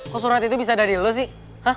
kok surat itu bisa dari lu sih